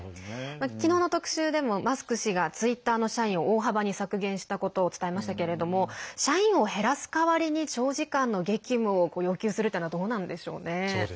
昨日の特集でもマスク氏がツイッターの社員を大幅に削減したことを伝えましたけれども社員を減らす代わりに長時間の激務を要求するというのはどうなんでしょうね。